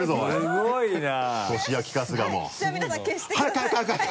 すごいな。